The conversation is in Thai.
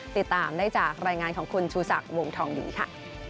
ติดตามได้จากรายงานของคุณชูศักดิ์วงทองดีค่ะ